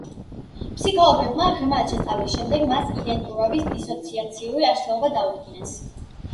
ფსიქოლოგებმა ღრმად შესწავლის შემდეგ მას იდენტურობის დისოციაციური აშლილობა დაუდგინეს.